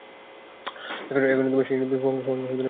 এখন সেই নদীটি হুয়াং হো নদীর গতিপথের সাথে মিলে গেছে।